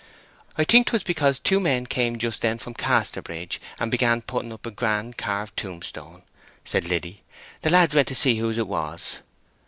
"I think 'twas because two men came just then from Casterbridge and began putting up a grand carved tombstone," said Liddy. "The lads went to see whose it was."